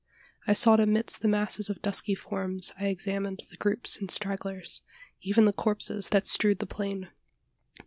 I sought amidst the masses of dusky forms I examined the groups and stragglers even the corpses that strewed the plain.